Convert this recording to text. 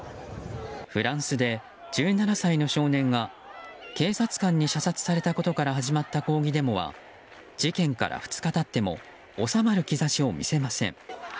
フランスで１７歳の少年が警察官に射殺されたことから始まった抗議デモは事件から２日経っても収まる兆しを見せません。